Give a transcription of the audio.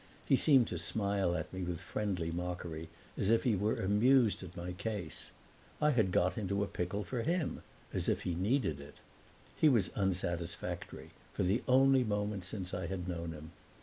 He seemed to smile at me with friendly mockery, as if he were amused at my case. I had got into a pickle for him as if he needed it! He was unsatisfactory, for the only moment since I had known him.